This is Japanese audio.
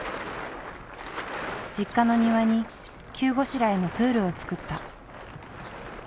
実家の庭に急ごしらえのプールを作った。